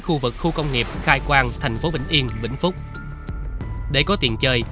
sự mồ côi ấy